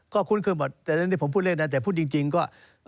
ก็คุ้นเคลื่อนหมดผมพูดเลขนั้นแต่พูดจริงก็